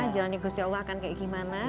jalannya gusti allah akan kayak gimana